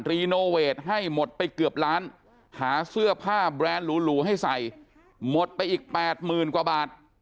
รีโนเวทให้หมดไปเกือบล้านหาเสื้อผ้าแบรนด์หรูให้ใส่หมดไปอีก๘๐๐๐กว่าบาท